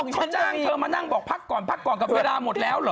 เขาจ้างเธอมานั่งบอกพักก่อนพักก่อนกับเวลาหมดแล้วเหรอ